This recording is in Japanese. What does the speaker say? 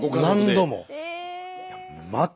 何度も。え。